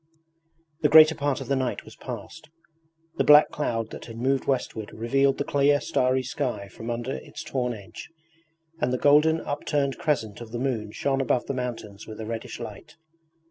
The greater part of the night was past. The black cloud that had moved westward revealed the clear starry sky from under its torn edge, and the golden upturned crescent of the moon shone above the mountains with a reddish light.